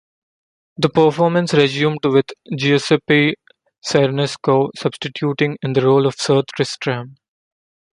The performance resumed with Giuseppe Cernusco substituting in the role of Sir Tristram.